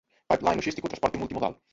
pipeline logístico, transporte multimodal